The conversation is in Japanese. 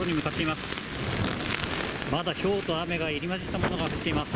まだひょうと雨が入り交じったものが降っています。